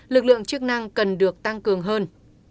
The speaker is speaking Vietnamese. lực lượng chức năng cần được tăng cường hơn